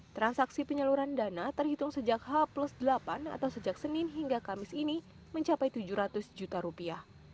transaksi penyaluran dana terhitung sejak h delapan atau sejak senin hingga kamis ini mencapai tujuh ratus juta rupiah